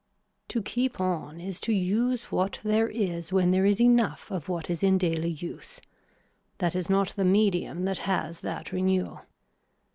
To keep on is to use what there is when there is enough of what is in daily use. That is not the medium that has that renewal.